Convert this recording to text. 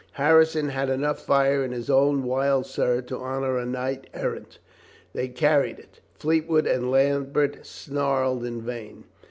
Harrison had enough fire in his own wild soul to honor a. knight errant. They carried it. Fleetwood and Lambert snarled in vain.